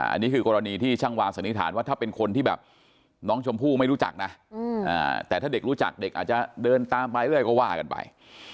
อันนี้คือกรณีที่ช่างวาสันนิษฐานว่าถ้าเป็นคนที่แบบน้องชมพู่ไม่รู้จักนะแต่ถ้าเด็กรู้จักเด็กอาจจะเดินตามไปเรื่อยก็ว่ากันไป